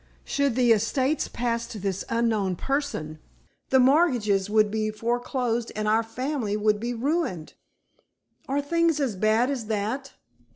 Should the estates pass to this unknown person, the mortgages would be foreclosed, and our family would be ruined." "Are things as bad as that?"